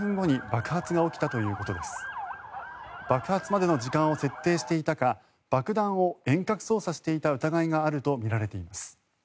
爆発までの時間を設定していたか爆弾を遠隔操作していた疑いがあるとみられています。